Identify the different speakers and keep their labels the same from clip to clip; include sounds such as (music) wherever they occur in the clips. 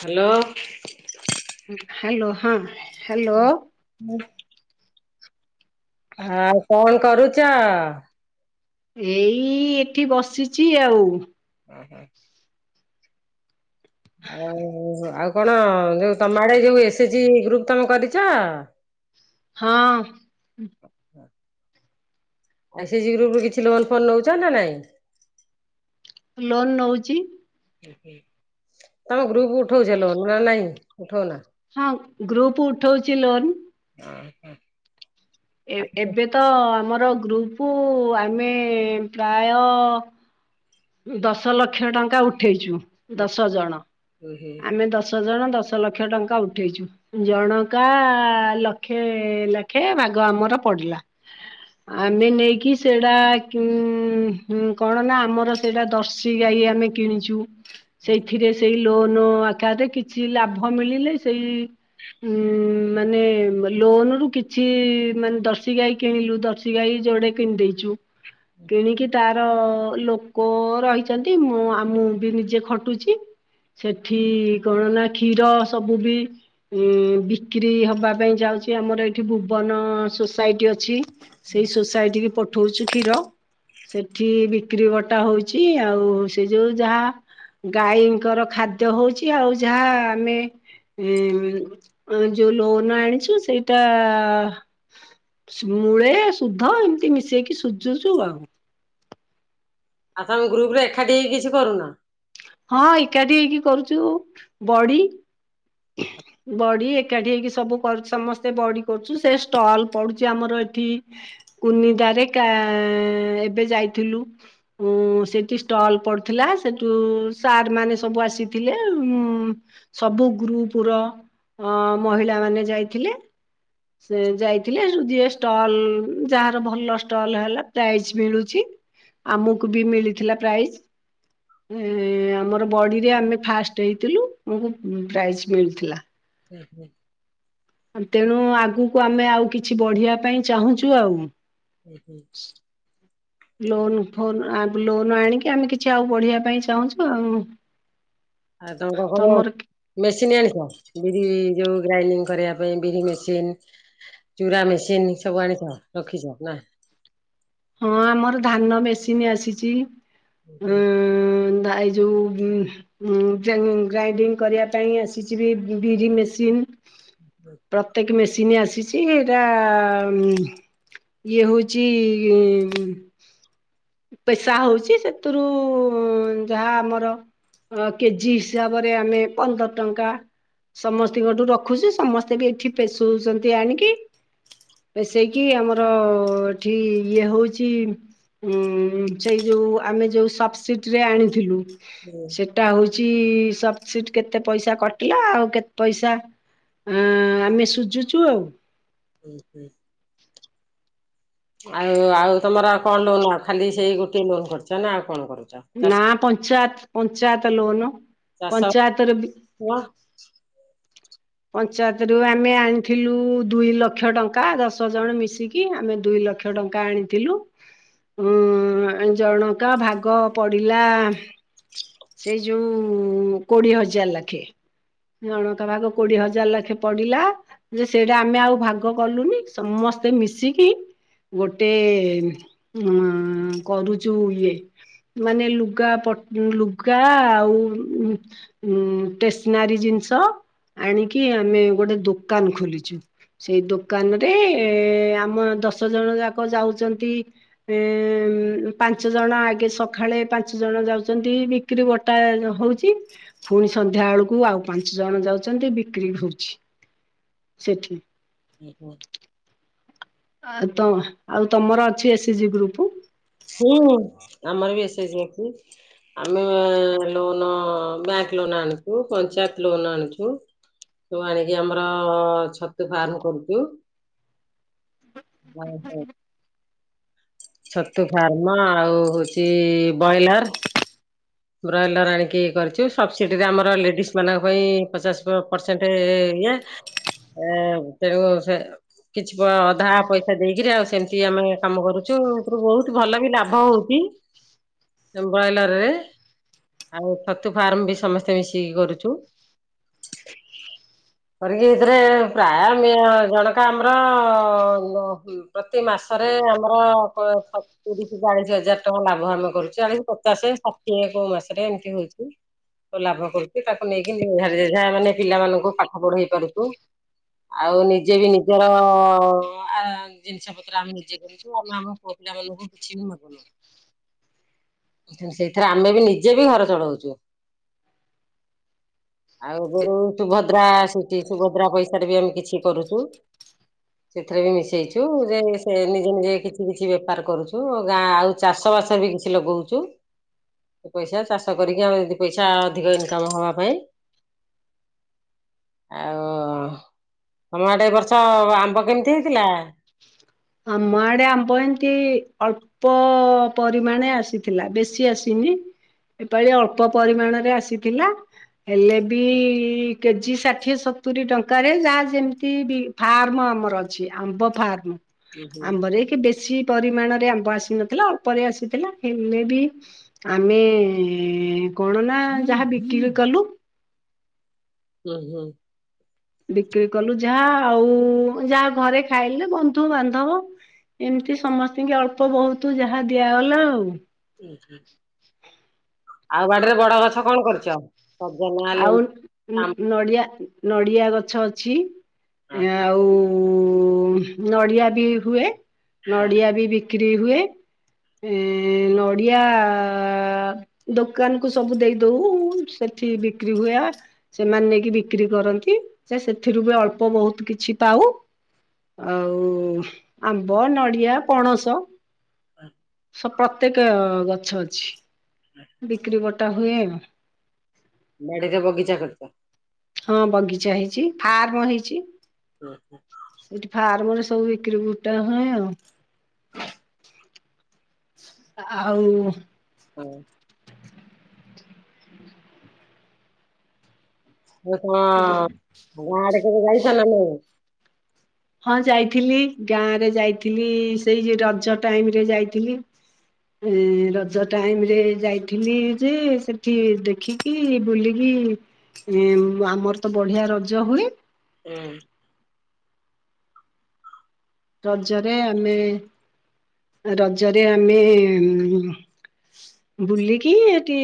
Speaker 1: Hello.
Speaker 2: ହୁଁ hello, ହଁ hello.
Speaker 1: (unintelligible) ହଁ ଆଉ କଲ କଣ କରୁଚ?
Speaker 2: ଏଇ ଏଠି ବସିଛି ଆଉ।
Speaker 1: ଓ ହୁଁ। ଆଉ ଆଉ କଣ ଯୋଉ ତମ ଆଡେ ଯୋଉ ଏସ୍ ଜି ଗ୍ରୁପ୍ ତମେ କରିଛ?
Speaker 2: ହଁ।
Speaker 1: ଏସିଜି ଗ୍ରୁପ୍ ରୁ କିଛି ଲୋନ ଫୋନ ନଉଛ ନା ନାଇଁ?
Speaker 2: ଲୋନ୍ ନଉଛି।
Speaker 1: ତମ ଗ୍ରୁପ୍ ଉଠଉଛ ଲୋନ୍ ନା ନାଇଁ ଉଠଉନା?
Speaker 2: ହଁ ଗ୍ରୁପ୍ ଉଠଉଛି ଲୋନ୍।
Speaker 1: (unintelligible)
Speaker 2: ଏ
Speaker 1: ଓହୋ।
Speaker 2: ଏବେ ତ ଆମର ଗ୍ରୁପ୍ ଆମେ ପ୍ରାୟ ଦଶ ଲକ୍ଷ ଟଙ୍କା ଉଠେଇଛୁ, ଦଶ ଜଣ।
Speaker 1: ହୁଁ ହୁଁ
Speaker 2: ଆମେ ଦଶ ଦଶ ଜଣ ଦଶ ଲକ୍ଷ ଟଙ୍କା ଉଠେଇଛୁ। ଜଣକା ଲକ୍ଷେ ଲକ୍ଷେ ଭାଗ ଆମର ପଡିଲା। ଆମେ ନେଇକି ସେଇଟା ଉ କଣ ନା ଆମର ସେଟା ଦର୍ଶୀ ଗାଈ ଆମେ କିଣିଛୁ ସେଇଥିରେ ସେଇ ଲୋନ ଆକାରରେ କିଛି ଲାଭ ମିଳିଲେ ସେଇ ଉ ମାନେ ଲୋନ ରୁ କିଛି ମାନେ ଦର୍ସି ଗାଈ କିଣିଲୁ ଦର୍ସି ଗାଈ ଯୋଡେ କିଣିଦେଇଛୁ। କିଣିକି ତାର ଲ କ ରହିଛନ୍ତି ମୁଁ ମୁଁ ବି ନିଜେ ଖଟୁଛି। ସେଠି କଣ ନା କ୍ଷୀର ସବୁ ବି ଉଁ ବିକ୍ରି ହବା ପାଇଁ ଯାଉଛି ଆମର ଏଇଠି ଭୁବନ ସୋସାଇଟି ଅଛି। ସେଇ ସୋସାଇଟି କି ପଠଉଛୁ କ୍ଷୀର। ସେଠି ବିକ୍ରି ବ ଟା ହଉଛି ଆଉ ସେ ଯୋଉ ଯାହା ଗାଈଙ୍କର ଖାଦ୍ୟ ହଉଛି ଆଉ ଯାହା ଆମେ ଉଁ ଯୋଉ ଲୋନ୍ ଆଣିଛୁ ସେଇଟା ମୂଳେ ସୁଧ ଏମିତି ମିଶେଇକି ସୁଝୁଛୁ ଆଉ।
Speaker 1: ଆଉ ତମ ଗ୍ରୁପ୍ ରେ ଏକାଠି ହେଇ କିଛି କରୁନ?
Speaker 2: ହଁ ଏକାଠି ହେଇକି କରୁଛୁ ବଢି। ହ ବଢି ଏକାଠି ହେଇକି ସବୁ କରୁ ସମସ୍ତେ ବଢି କରୁଛୁ ସେ ଷ୍ଟଲ୍ ପଡୁଛି ଆମର ଏଠି। କୁନି ଦ୍ଵାରକା ଏବେ ଯାଇଥିଲୁ। ଉ ସେଠି ଷ୍ଟଲ୍ ପଡିଥିଲା ସେଠୁ ସାର୍ ମାନେ ସବୁ ଆସିଥିଲେ ଉ ସବୁ ଗୁପ୍ ର ଅ ମହିଳା ମାନେ ଯାଇଥିଲେ। ସେ ଯାଇଥିଲେ ସେ ଯିଏ ଷ୍ଟଲ୍ ଯାହାର ଭଲ ଷ୍ଟଲ୍ ହେଲା ପ୍ରାଇଜ୍ ମିଳୁଛି। ଆମକୁ ବି ମିଳିଥିଲା ପ୍ରାଇସ୍। ଆମର ବଡିରେ ଆମେ ଫାଷ୍ଟ ହେଇଥିଲୁ ଆମକୁ ପ୍ରାଇଜ୍ ମିଳିଥିଲା।
Speaker 1: ହୁଁ ହୁଁ
Speaker 2: ତେଣୁ ଆଗକୁ ଆମେ ଆଉ କିଛି ବଢିବା ପାଇଁ ଚାହୁଁଛୁ ଆଉ।
Speaker 1: ହୁ ହୁଁ
Speaker 2: ଲୋନ୍ ଫୋନ୍ ଆ ଲୋନ୍ ଆଣିକି ଆମେ କିଛି ଆଉ ବଢ଼ିବା ପାଇଁ ଚାହୁଁଛୁ ଆଉ।
Speaker 1: ଆ
Speaker 2: ତମର
Speaker 1: (unintelligible) ମେସିନ୍ ଆଣିଛ ବିରି ଯୋଉ ଗ୍ରାଇଣ୍ଡିଙ୍ଗ କରିବା ପାଇଁ ବିରି ମେସିନ୍? ଚୁରା ମେସିନ୍ ସବୁ ଆଣିଥା ରଖିଛଅ ନା?
Speaker 2: ହଁ ଆମର ଧାନ ମେସିନ୍ ଆସିଛି
Speaker 1: ହୁଁ
Speaker 2: ଉ
Speaker 1: ହୁଁ
Speaker 2: ଯଉ ଗ୍ରାଇଣ୍ଡିଙ୍ଗ କରିବା ପାଇଁ ଆସିଛିି ବିରି ମେସିନ।
Speaker 1: ହ
Speaker 2: ପ୍ରତ୍ୟେକ ମେସିନ୍ ଆସିଛି ଏଇଟା ଇଏ ହେଉଛି ଉମ୍ ପେସା ହଉଛି ସେଥିରୁ ଯାହା ଆମର ଅ କେଜି ହିସାବରେ ଆମେ ପନ୍ଦର ଟଙ୍କା। ସମସ୍ତଙ୍କଠୁ ରଖୁଛି ସମସ୍ତେ ବି ଏଠି ପେଶୁଛନ୍ତି ଆଣିକି। ବସେଇକି ଆମର ଏଠି ଇଏ ହଉଛି ଉ ସେଇ ଯୋଉ ଆମେ ଯୋଉ ସବସିଟିରେ ଆଣିଥିଲୁ।
Speaker 1: ହୁଁ
Speaker 2: ଟା ହଉଛି ସବସିଡି କେତେ ପଇସା କଟିଲା ଆଉ କେତେ ପଇସା ଆଁ ଆମେ ସୁଝୁଛୁ ଆଉ।
Speaker 1: ହୁଁ ହୁଁ ଆଉ ଆଉ ତମର ଆଉ କଣ ଲୋନ ଆ ଖାଲି ସେଇ ଗୋଟେ ଲୋନ କରିଛ ନା ଆଉ କଣ କରି
Speaker 2: ନା ପଞ୍ଚାୟତ ପଞ୍ଚାୟତ ଲୋନ ପଞ୍ଚାୟତରେ
Speaker 1: ହଁ
Speaker 2: ପଞ୍ଚାୟତରୁୁ ଆମେ ଆଣିଥିଲୁ ଦୁଇ ଲକ୍ଷ ଟଙ୍କା ଦଶ ଜଣ ମିଶିକି। କି ଆମେ ଦୁଇ ଲକ୍ଷ ଟଙ୍କା ଆଣିଥିଲୁ। ହୁଁ ଜଣକା ଭାଗ ପଡିଲା। ସେଇ ଯୋଉ କୋଡିଏ ହଜାର ଲେଖେ ଜଣକା ଭାଗ କୋଡିଏ ହଜାର ଲେଖେ ପଡିଲା। ଯେ ସେଇଟା ଆମେ ଆଉ ଭାଗ କଲୁନି ସମସ୍ତେ ମିଶିକି ଗୋଟେ ଅନ୍ କରୁଛୁ ଇଏ। ମାନେ ଲୁଗା ପ ଲୁଗା ଆଉ ଉଁ ଷ୍ଟେଶନାରୀ ଜିନିଷ ଆଣିକି ଆମେ ଗୋଟେ ଦୋକାନ ଖୋଲିଛୁ। ସେଇ ଦୋକାନରେ ଆମ ଦଶ ଜଣ ଯାକ ଯାଉଛନ୍ତି। ଉ ପାଞ୍ଚ ଜଣ ଆଗେ ସକାଳେ ପାଞ୍ଚ ଜଣ ଯାଉଛନ୍ତି। ବିକ୍ରି ବଟା ହଉଛି ପୁଣି ସନ୍ଧ୍ୟା ବେଳକୁ ଆଉ ପାଞ୍ଚ ଜଣ ଯାଉଛି। ଅଛନ୍ତି ବିକ୍ରି ହଉଛି ସେଠି
Speaker 1: ଓ ହ
Speaker 2: ଆ ତ ଆଉ ତମର ଅଛି ଏସ୍ଏଜିି ଗ୍ରୁପ।
Speaker 1: ହୁଁ ଆମର ବି ଏସ ଯି ଅଛି। ଆମେ ଲୋନ୍ ବ୍ୟାଙ୍କ ଲୋନ ଆଣିଛୁ ପଞ୍ଚାୟତ ଲୋନ୍ ଆଣିଛୁ। ତୁ ଆଣିକି ଆମର ଛତୁ ଫାର୍ମ କରୁଛୁ। ହ ହ ଛତୁ ଫାର୍ମ ଆଉ ହଉଛି ବ୍ରଏଲର। ବ୍ରଏଲର ଆଣିକି କରିଛୁ ସବସିଡି ଆମର ଲେଡିସ୍ ମାନଙ୍କ ପାଇଁ ପଚାଶ ପରସେଣ୍ଟ ଇଏ (unintelligible) କିଛି ଅଧା ପଇସା ଦେଇକିରି ଆଉ ସେମିତି ଆମେ କାମ କରୁଛୁ ବହୁତ ଭଲ ବି ଲାଭ ହଉଛି।
Speaker 2: ହ
Speaker 1: ବ୍ରଏଲର ରେ ଆଉ ଛତୁ ଫାର୍ମ ବି ସମସ୍ତେ ମିଶିକି କରୁଛୁ।
Speaker 2: ହ
Speaker 1: କରିକି ଏଥିରେ ପ୍ରାୟ ଆମେ ଜଣକ ଆମର ପ୍ରତି ମାସରେ ଆମର ହବ ତିରିଶି ଚାଳିଶି ହଜାର ଟଙ୍କା ଲାଭ ଆମେ କରୁଚୁ ଆମେ ପଚାଶେ ଷାଠିଏ କୋଉ ମାସରେ ଏମିତି ହଉଚି। ଲାଭ କରୁଚୁ ତାକୁ ନେଇକି ଯାହା ମାନେ ପିଲାମାନାନଙ୍କୁ ପାଠ ପଢେଇ ପାରୁଚୁ। ଆଉ ନିଜେ ବି ନିଜର ଆଉ ଜେ ପଇସା ପତ୍ର ଆମେ ନିଜେ କରୁଚୁ ଆମ (unintelligible) ଆମ ପୁଅ ପିଲା ମଙ୍କୁ କିଛି ବି ମୁନୁ ସେଇଥିରେ ଆମେ ବି ନିଜେ ବି ଘର ଚଳଉଚୁ। ଆଉ ସୁଭଦ୍ରାଠ (unintelligible) ସୁଭଦ୍ରା ପଇସାରେ ବି ଆମେ କିଛି କରୁଛୁ
Speaker 2: ହଁ (unintelligible)
Speaker 1: ସେଥିରେ ବି ମିଶେଇଚୁ ଯେ ସେ ନିଜେ ନିଜେ କିଛି କିଛି ବେପାର କରୁଚୁ ଗାଁ ଆଉ ଚାଷ ବାସ ବି କିଛି ଲଗଉଚୁ। ପଇସା ଚାଷ କରିକି ଆମେ ଦି ପଇସା ଅଧିକ ଇନକମ ହବା ପାଇଁ। ଆଉ ତମ ଆଡେ ଏ ବର୍ଷ ଆମ୍ବ କେମିତି ହେଇଥିଲା?
Speaker 2: ଆମଆଡେ ଆବ ଏନ୍ତିତି ଅଳ୍ ପ ପରିମାଣେ ଆସିଥିଲା ବେଶୀ ଆସିନି। ଏପାଳି ଅଳ୍ପ ପରିମାଣରେ ଆସିଥିଲା। ହେଲେ ବି କେଜି ଷାଠିଏ ସତୁରି ଟଙ୍କାରେ ଯାହା ଯେମିତିବି ଫାର୍ମ ଆମର ଅଛି ଆମ୍ବ ଫାର୍ମ।
Speaker 1: ଉଁ ହୁଁ
Speaker 2: ଆମ୍ବରେ କି ବେଶୀ ପରିମାଣରେ ଆମ୍ବ ଆସିନଥିଲା ଅପ୍ଲରେ ଆସିଥିଲା ଏମ ବି ଆମେ କଣ ନା ଯାହା ବିକ୍ରି କଲୁ
Speaker 1: ହୁଁ ହୁଁ।
Speaker 2: ବିକ୍ରି କଲୁ ଯାହା ଆଉ ଯାହା ଘରେ ଖାଇଲୁ ବନ୍ଧୁବାନ୍ଧବ ଏମିତି ସମସ୍ତିଙ୍କି ଅଳ୍ପ ବହୁତ ଯାହା ଦିଆଗଲା ଆଉ।
Speaker 1: ଉ ହୁଁ। ଆଉ ବାଡିରେ ବଡ ଗଛ କଣ କରିଚ?
Speaker 2: ଆଉ ନଡ଼ିଆ ନଡ଼ିଆ ଗଛ ଅଛି ଆଉ ଉ ନଡିଆ ବି ହୁଏ ନଡିଆ ବି ବିକ୍ରି ହୁଏ। ଏ ନଡ଼ିଆ ଦୋକାନକୁ ସବୁ ଦେଇ ଦଉ ସେଠି ବିକ୍ରି ହୁଏ। ସେମାନେ ନେଇକି ବିକ୍ରି କରନ୍ତି ସେ ସେଥିରୁ ବି ଅଳ୍ପ ବହୁତ କିଛି ପାଉ। ଆଉ ଆମ୍ବ, ନଡ଼ିଆ, ପଣସ
Speaker 1: ହ (unintelligible)
Speaker 2: ସ ପ୍ରତ୍ୟେକ ଗଛ ଅଛି।
Speaker 1: ହୁଁ।
Speaker 2: ବିକ୍ରି ବଟା ହୁଏ ଆଉ।
Speaker 1: ବାଡ଼ିରେ ବଗିଚା କରିଚ?
Speaker 2: ହଁ ବଗିଚା ହେଇଚି ଫାର୍ମ ହେଇଛି।
Speaker 1: ହୁଁ ହୁଁ।
Speaker 2: ସେଇଠି ଫାର୍ମ ରେ ସବୁ ବିକ୍ରି ବୁଟା ହୁଏ ଆଉ।
Speaker 1: ହଁ (unintelligible)
Speaker 2: ଆ ଆଉ
Speaker 1: ହୁଁ। ହଁ (unintelligible) ଗାଁ ଆଡେ କେବେ ଯାଇଥିଲ ନା ନାହିଁ।
Speaker 2: ହଁ ଯାଇଥିଲି ଗାଁରେ ଯାଇଥିଲି ସେଇ ଯୋଉ ରଜ ଟାଇମ ରେ ଯାଇଥିଲି। ଏ ରଜ ଟାଇମ୍ ରେ ଯାଇଥିଲି ଯେ ସେଠି ଦେଖି କି ବୁଲିକି ଆମର ତ ବଢିଆ ରଜ ହୁଏ।
Speaker 1: ଉଁ।
Speaker 2: ରଜରେ ଆମେ ରଜରେ ଆମେ ବୁଲିକି ଏଠି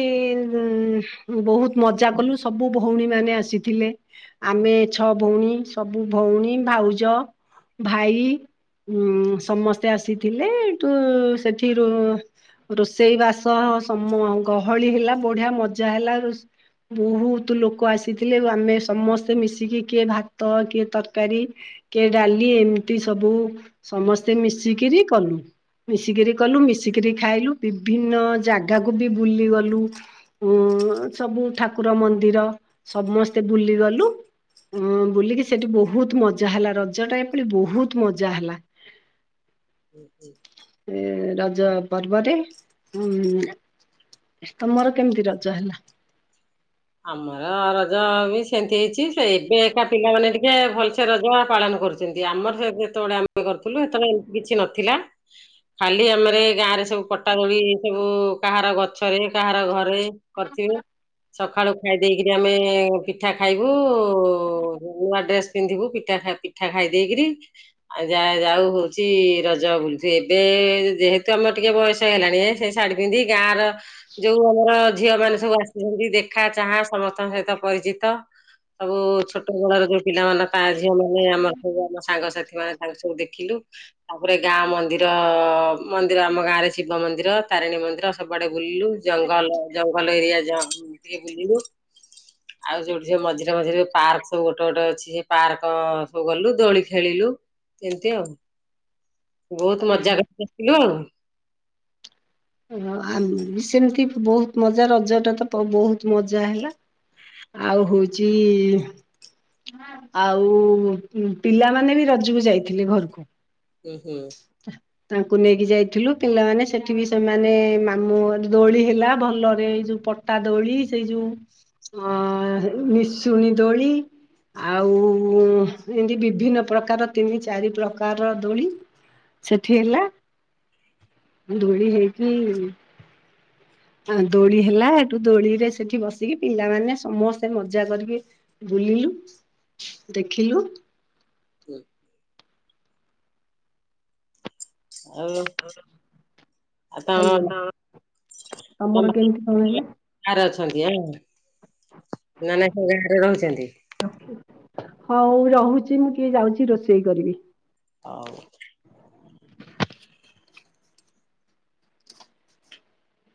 Speaker 2: ବହୁତ ମଜା କଲୁ ସବୁ ଭଉଣୀ ମାନେ ଆସିଥିଲେ। ଆମେ ଛଅ ଭଉଣୀ, ସବୁ ଭଉଣୀ, ଭାଉଜ, ଭାଇ। ଉୁଁ ସମସ୍ତେ ଆସିଥିଲେ ଏଠୁ ସେଠିରୁ ରୋଷେଇ ବାସ ସମ ଗହଳି ହେଲା ବଢିଆ ମଜା ହେଲା। ରୋ ବହୁତ ଲୋକ ଆସିଥିଲେ। ଆମେ ସମସ୍ତେ ମିଶିକି କିଏ ଭାତ କିଏ ତରକାରୀ କିଏ ଡାଲି ଏମିତି ସବୁ ସମସ୍ତେ ମିଶିକିରି କଲୁ। ମିଶିକିରି କଲୁ, ମିଶିକରି ଖାଇଲୁ ବିଭିନ୍ନ ଜାଗାକୁ ବି ବୁଲି ଗଲୁ। ଉଁ ସବୁ ଠାକୁର ମନ୍ଦିର ସମସ୍ତେ ବୁଲିଗଲୁ। ଉଁ ବୁଲିକି ସେଠି ବହୁତ ମଜା ହେଲା। ରଜ ଟା ଏଥର ବହୁତ ମଜା ହେଲା।
Speaker 1: ହୁଁ ହୁଁ।
Speaker 2: ଏ ରଜ ପର୍ବରେ ଉଁ। ତମର କେମିତି ରଜ ହେଲା?
Speaker 1: ଆମର ରଜ ବି ସେମତି ହେଇଛି ସେ ଏବେ ଏକା ପିଲାମାନେ ଟିକେ ଭଲସେ ରଜ ପାଳନ କରୁ ଯେମିତି ଆମର ଯେତେବେଳେ ଆମେ କରୁଥିଲୁ ସେତେବେଳେ ଏମିତି କିଛି ନ ଥିଲା। ଖାଲି ଆମର ଏ ଗାଁରେ ସବୁ ପଟା ଦୋଳି ସବୁ କାହାର ଗଛରେ କାହାର ଘରେ କରିଥିବେ। ସକାଳୁ ଖାଇ ଦେଇକିରି ଆମେ ପିଠା ଖାଇବୁ, ନୂଆ ଡ୍ରେସ୍ ପିନ୍ଧିବୁ, ପିଠା ପିଠା ଖାଇ ଦେଇକିରି ଆଉ ଯା-ଯାଉ ହଉଚି ରଜ ବୁଲି। ଏବେ ଯେହେତୁ ଆମର ଟିକେ ବୟସ ହେଲାଣି ହେ ସେ ସାଢୀ ପିନ୍ଧି ଗାଁ ର ଯୋଉ ଆମର ଝିଅ ମାନେ ସବୁ ଆସିଚନ୍ତି ଦେ ଦେଖା ଚାହା ସମସ୍ତଙ୍କ ସହିତ ପରିଚିତ। ସବୁ ଛୋଟବେଳର ଯୋଉ ପିଲାମାନଙ୍କ ଗାଁ ଝିଅ ମାନେ ଆମର ସବୁ ଆମ ସାଙ୍ଗସାଥି ମାନେ ତାଙ୍କୁ ସବୁ ଦେଖିଲୁ। ତା ପରେ ଗାଁ ମନ୍ଦିର ମନ୍ଦିର ଆମ ଗାଁରେ ଶିବ ମନ୍ଦିର, ତାରିଣୀ ମନ୍ଦିର ସବୁଆଡେ ବୁଲିଲୁ। ଜଙ୍ଗଲ ଜଙ୍ଗଲ ଏରିଆ ଟିକେ ବୁଲିଲୁ।
Speaker 2: (inaudible)
Speaker 1: ଆଉ ଯୋଉଠି ସବୁ ମଝିରେ ମଝିରେ ପାର୍କ ସବୁ ଗୋଟେ ଗୋଟେ ଅଛି। ସେ ପାର୍କ ସବୁ ଗଲୁ ଦୋଳି ଖେଳିଲୁ। ଏମିତି ଆଉ।
Speaker 2: (inaudible)
Speaker 1: ବହୁତ ମଜା
Speaker 2: ଓହୋ
Speaker 1: କରି ଆସିଲୁ ଆଉ।
Speaker 2: ଓହୋ ସେମିତି ବହୁତ ମଜା ରଜ ଟା ତ ବହୁତ ମଜା ହେଲା। ଆଉ ହଉଚି ଆଉ ପିଲାମାନେ ବି ରଜକୁ ଯାଇଥିଲେ ଘରକୁ।
Speaker 1: ଉଁ ହୁଁ।
Speaker 2: ତାଙ୍କୁ ନେଇକି ଯାଇଥିଲୁ। ପିଲାମାନେ ସେଠି ବି ସେମାନେ ମାମୁଁ ଦୋଳି ହେଲା ଭଲରେ। ଏଇ ଯୋଉ ପଟା ଦୋଳି ସେଇ ଯୋଉ ଅ ନିଶୁଣୀ ଦୋଳି। ଆଉ ଏମିତି ବିଭିନ୍ନ ପ୍ରକାର ତିନି ଚାରି ପ୍ରକାରର ଦୋଳି। ସେଠି ହେଲା ଦୋଳି ହେଇକି ଆଉ ଦୋଳି ହେଲା ସେଠୁ ଦୋଳିରେ ସେଠି ବସିକି ପିଲାମାନେ ସମସ୍ତେ ମଜା କରିବେ। ବୁଲିଲୁ, ଦେଖିଲୁ।
Speaker 1: ହୁ ଆଉ ଆ
Speaker 2: ହାଲୋ ତମର
Speaker 1: (unintelligible)
Speaker 2: କେମିତି କଣ ହେଲା?
Speaker 1: ଗାରେ ଅଛନ୍ତି ଆ ନ ନା ସେ ଗାଁରେ ରହୁଛନ୍ତି
Speaker 2: ହଉ ରହୁଛି ମୁଁ କିଏ ଯାଉଛି ରୋଷେଇ କରିବି
Speaker 1: ହଉ